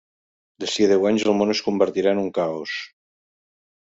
D'ací a deu anys, el món es convertirà en un caos.